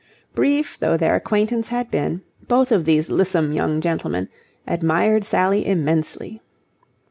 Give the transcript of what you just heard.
Brief though their acquaintance had been, both of these lissom young gentlemen admired Sally immensely.